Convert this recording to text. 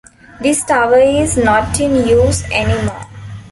This tower is not in use any more.